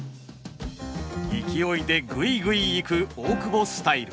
勢いでグイグイいく大久保スタイル。